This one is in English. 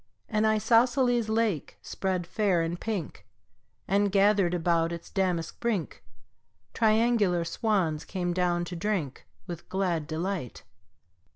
An isosceles lake spread fair and pink, And, gathered about its damask brink, Triangular swans came down to drink With glad delight.